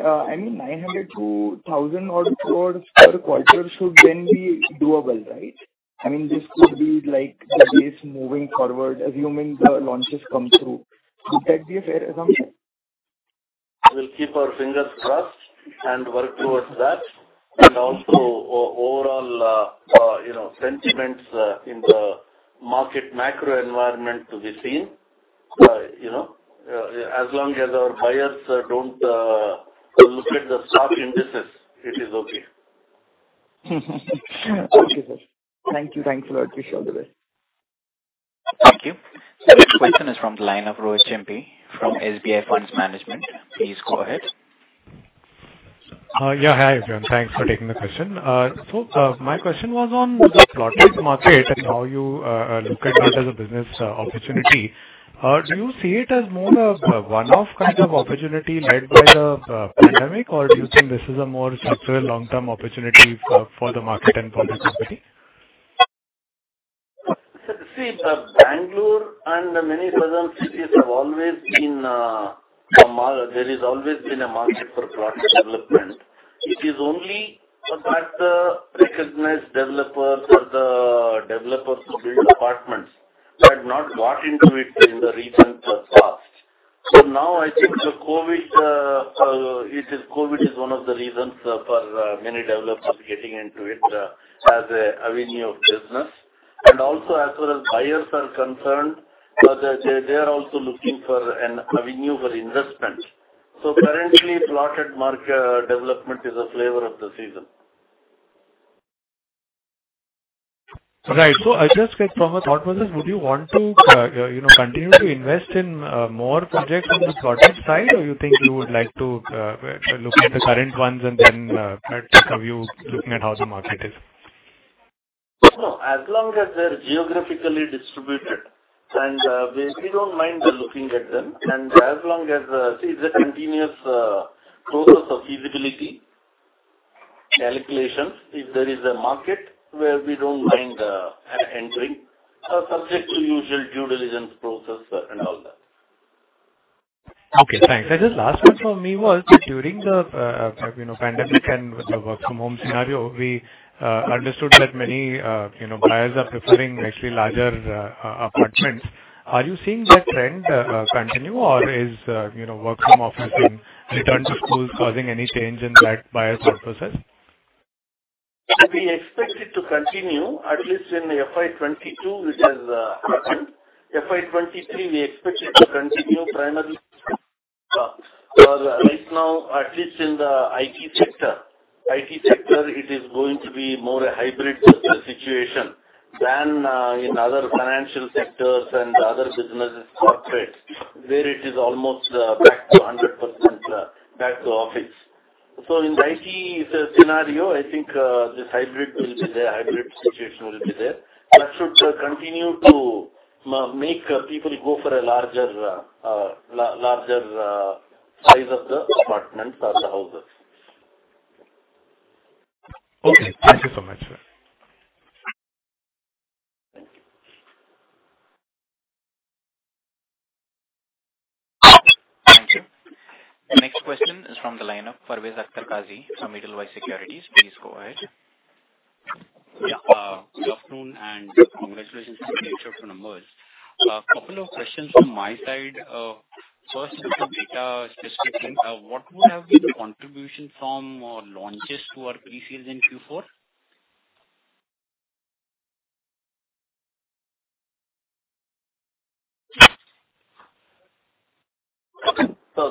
I mean, 900 crore-1,000-odd crores per quarter should be doable, right? I mean, this could be like the base moving forward, assuming the launches come through. Would that be a fair assumption? We'll keep our fingers crossed and work towards that. Also overall, you know, sentiments in the market, macro environment to be seen. You know, as long as our buyers don't look at the stock indices, it is okay. Okay, sir. Thank you. Thanks a lot. Wish you all the best. Thank you. The next question is from the line of Rohit Shimpi from SBI Funds Management. Please go ahead. Yeah. Hi, everyone. Thanks for taking the question. So, my question was on the plotted market and how you look at that as a business opportunity. Do you see it as more of a one-off kind of opportunity led by the pandemic, or do you think this is a more structural long-term opportunity for the market and for the company? Bangalore and many southern cities have always been a market for plot development. It is only that the recognized developers or the developers who build apartments had not got into it in the recent past. Now I think the COVID is one of the reasons for many developers getting into it as a avenue of business. Also, as far as buyers are concerned, they are also looking for an avenue for investment. Currently, plotted market development is a flavor of the season. Right. I'll just get proper thought process. Would you want to, you know, continue to invest in more projects on the plotted side, or you think you would like to look at the current ones and then take a view looking at how the market is? No. As long as they're geographically distributed and we don't mind looking at them. As long as, see, it's a continuous process of feasibility calculations. If there is a market where we don't mind entering, subject to usual due diligence process, and all that. Okay, thanks. Just last one from me was during the, you know, pandemic and the work from home scenario, we understood that many, you know, buyers are preferring actually larger apartments. Are you seeing that trend continue, or is, you know, work from office and return to schools causing any change in that buyer thought process? We expect it to continue at least in FY 2022, which happened. FY 2023, we expect it to continue primarily because right now, at least in the IT sector, it is going to be more a hybrid situation than in other financial sectors and other businesses corporates, where it is almost back to 100%, back to office. In the IT scenario, I think this hybrid will be there, hybrid situation will be there. That should continue to make people go for a larger size of the apartments or the houses. Okay. Thank you so much, sir. Thank you. Thank you. The next question is from the line of Parvez Akhtar Qazi from Edelweiss Securities. Please go ahead. Yeah. Good afternoon, and congratulations on the excellent numbers. A couple of questions from my side. First, little bit specifying what would have been the contribution from launches to our pre-sales in Q4?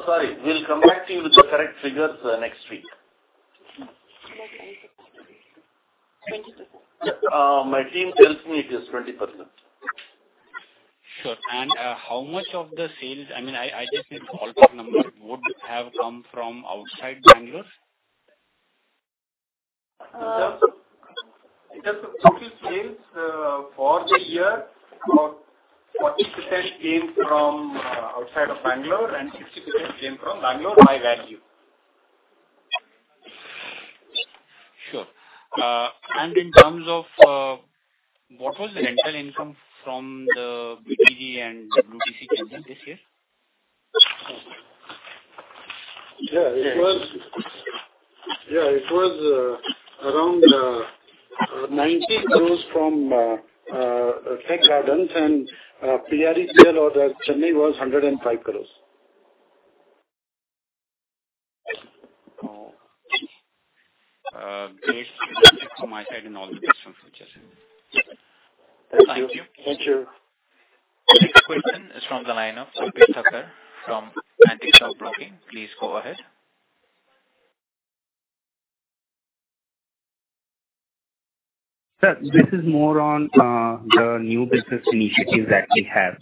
Sorry. We'll come back to you with the correct figures, next week. Thank you. My team tells me it is 20%. Sure. How much of the sales, I mean, I just need the ballpark number, would have come from outside Bangalore? In terms of total sales, for the year, about 40% came from outside of Bangalore and 60% came from Bangalore by value. Sure. In terms of what was the rental income from the BTG and WTC building this year? It was around 90 crores from Brigade Tech Gardens, and WTC sale order, Chennai, was INR 105 crores. Great. That's it from my side and all the best for the future. Thank you. Thank you. The next question is from the line of Biplab Debbarma from Antique Stock Broking. Please go ahead. Sir, this is more on, the new business initiatives that we have.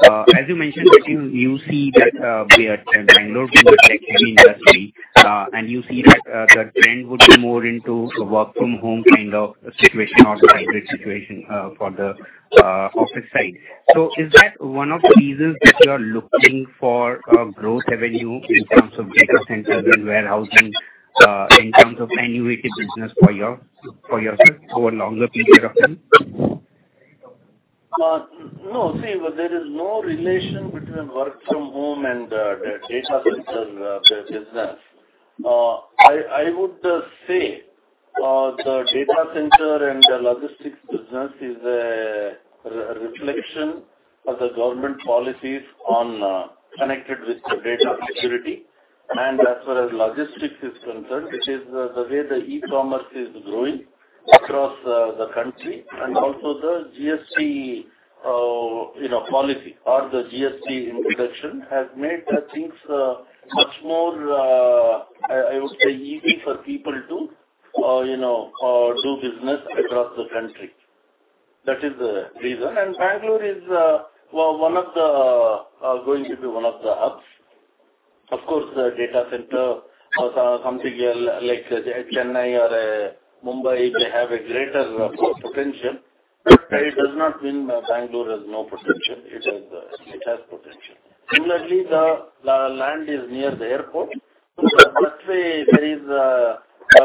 As you mentioned, you see that, we are at Bangalore being a tech-heavy industry, and you see that, the trend would be more into work from home kind of situation or hybrid situation, for the, office side. Is that one of the reasons that you are looking for, growth avenue in terms of data centers and warehousing, in terms of annuity business for your longer period of time? No. See, there is no relation between work from home and the data center business. I would say the data center and the logistics business is a reflection of the government policies on connected with the data security. As far as logistics is concerned, it is the way the e-commerce is growing across the country and also the GST you know policy or the GST reduction has made things much more I would say easy for people to you know do business across the country. That is the reason. Bangalore is going to be one of the hubs. Of course, the data center or something like Chennai or Mumbai, they have a greater growth potential. It does not mean Bangalore has no potential. It has potential. Similarly, the land is near the airport. That way there is,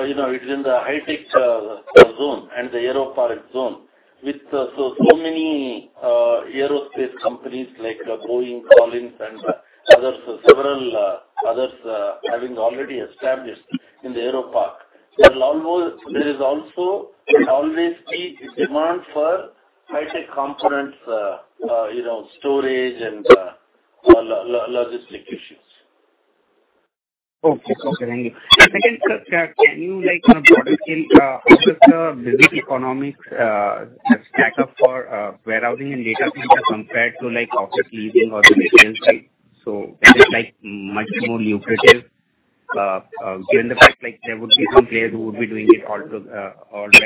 you know, it's in the high-tech zone and the Aeropark zone with so many aerospace companies like Boeing, Collins and others, several others having already established in the Aeropark. There is also always key demand for high-tech components, you know, storage and logistic issues. Okay. Thank you. Again, sir, can you like, on a broader scale, how does the business economics stack up for warehousing and data center compared to like office leasing or the residential? Is it like much more lucrative, given the fact like there would be some players who would be doing it also, already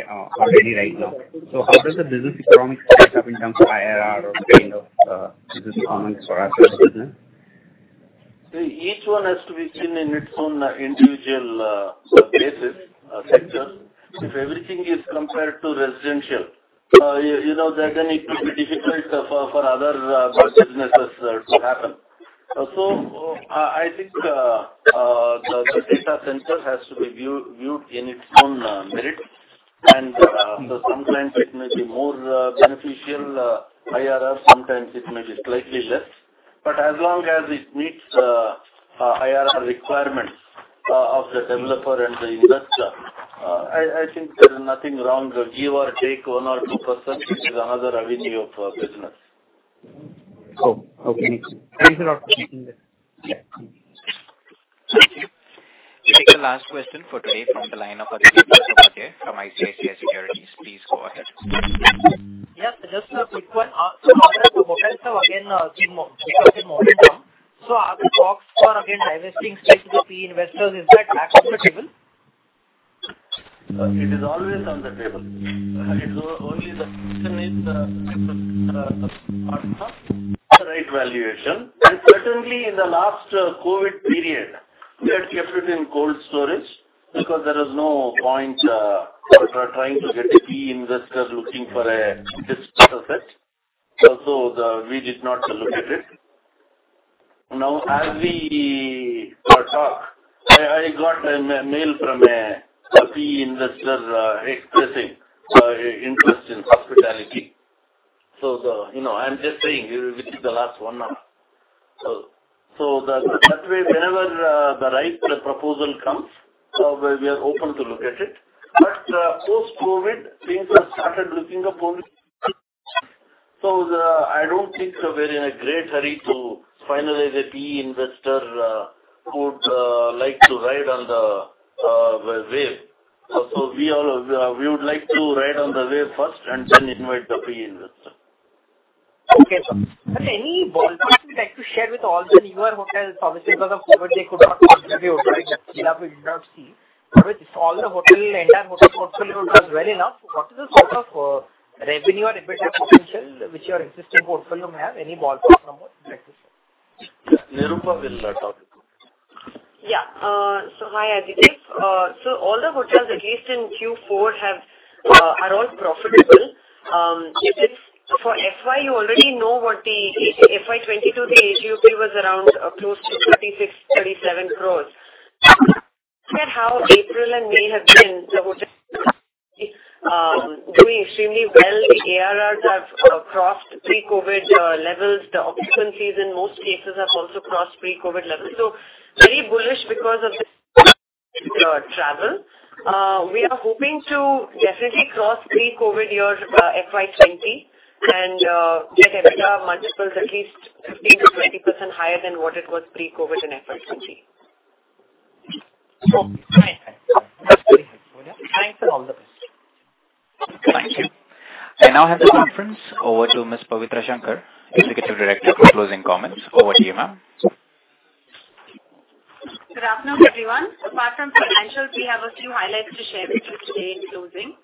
right now? How does the business economics stack up in terms of IRR or kind of business economics for us as a business? See, each one has to be seen in its own individual basis, sector. If everything is compared to residential, you know, then it will be difficult for other businesses to happen. I think the data center has to be viewed in its own merit. So sometimes it may be more beneficial IRR, sometimes it may be slightly less. But as long as it meets IRR requirements of the developer and the investor, I think there's nothing wrong. Give or take 1% or 2%, this is another avenue of business. Oh, okay. Thanks a lot for explaining that. Yeah. Thank you. We'll take the last question for today from the line of Dilip Pandey from ICICI Securities. Please go ahead. Yes, just a quick one. Now that the hotels are again seeing more demand, are the talks for again divesting stake to the PE investors back on the table? It is always on the table. It's only the question is right valuation. Certainly in the last COVID period, we had kept it in cold storage because there was no point for trying to get a PE investor looking for a quick profit. We did not look at it. Now, as we talk, I got a mail from a PE investor expressing interest in hospitality. You know, I'm just saying within the last one hour. That way, whenever the right proposal comes, we are open to look at it. Post-COVID, things have started looking up only. I don't think we're in a great hurry to finalize a PE investor who would like to ride on the wave. We all would like to ride on the wave first and then invite the PE investor. Okay, sir. Any ballpark you'd like to share with all the newer hotels, obviously, because of COVID, they could not contribute, right? That we did not see. With all the hotel, entire hotel portfolio doing well enough, what is the sort of, revenue or EBITDA potential which your existing portfolio may have? Any ballpark number you'd like to share? Hi, Dilip. All the hotels at least in Q4 are all profitable. In FY you already know FY 2022, the GOP was around close to 56.37 crores. Look at how April and May have been, the hotel doing extremely well. The ARRs have crossed pre-COVID levels. The occupancies in most cases have also crossed pre-COVID levels. Very bullish because of this travel. We are hoping to definitely cross pre-COVID year FY 2020 and get EBITDA multiples at least 15%-20% higher than what it was pre-COVID in FY 2020. Okay. That's very helpful. Thank you. All the best. Thank you. I now hand the conference over to Ms. Pavitra Shankar, Executive Director for closing comments. Over to you, ma'am. Good afternoon, everyone. Apart from financials, we have a few highlights to share with you today in closing.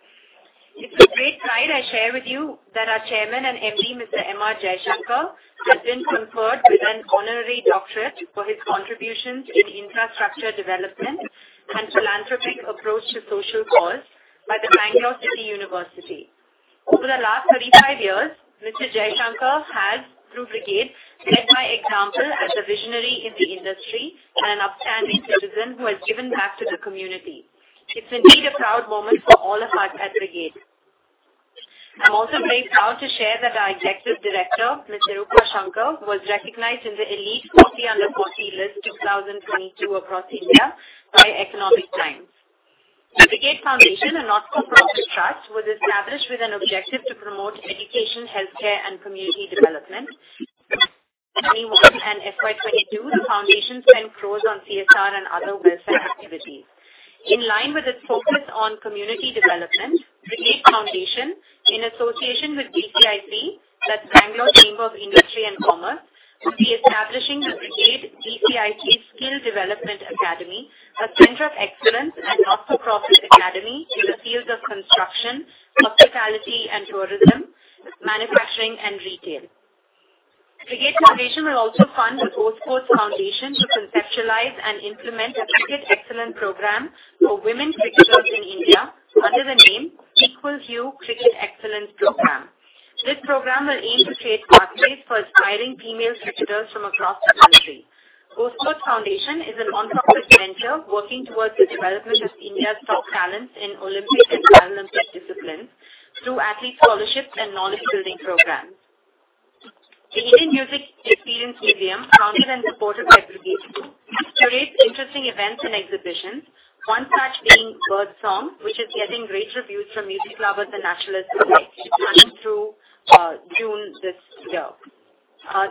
It's a great pride I share with you that our Chairman and MD, Mr. M.R. Jaishankar, has been conferred with an honorary doctorate for his contributions in infrastructure development and philanthropic approach to social cause by the Bangalore City University. Over the last 35 years, Mr. Jaishankar has, through Brigade, led by example as a visionary in the industry and an upstanding citizen who has given back to the community. It's indeed a proud moment for all of us at Brigade. I'm also very proud to share that our Executive Director, Ms. Nirupa Shankar, was recognized in the elite 40 Under Forty list 2022 across India by Economic Times. Brigade Foundation, a not-for-profit trust, was established with an objective to promote education, healthcare, and community development. In FY 2021 and FY 2022, the foundation spent crores on CSR and other welfare activities. In line with its focus on community development, Brigade Foundation, in association with BCIC, that's Bangalore Chamber of Industry and Commerce, will be establishing the Brigade BCIC Skill Development Academy, a center of excellence and not-for-profit academy in the fields of construction, hospitality and tourism, manufacturing and retail. Brigade Foundation will also fund the GoSports Foundation to conceptualize and implement a cricket excellence program for women cricketers in India under the name Equal Hue Cricket Excellence Program. This program will aim to create pathways for aspiring female cricketers from across the country. GoSports Foundation is a non-profit mentor working towards the development of India's top talents in Olympic and Paralympic disciplines through athlete scholarships and knowledge-building programs. The Indian Music Experience Museum, founded and supported by Brigade, curates interesting events and exhibitions, one such being Birdsong, which is getting great reviews from music lovers and naturalists alike, running through June this year.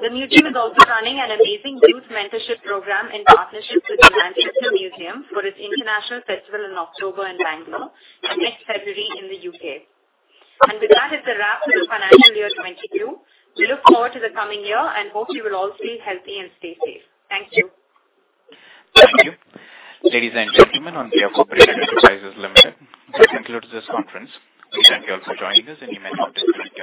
The museum is also running an amazing youth mentorship program in partnership with the Manchester Museum for its international festival in October in Bangalore and next February in the U.K. With that is the wrap for the financial year 2022. We look forward to the coming year and hope you will all stay healthy and stay safe. Thank you. Thank you. Ladies and gentlemen of Brigade Enterprises Limited, this concludes this conference. We thank you all for joining us, and you may now disconnect your lines.